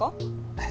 えっ？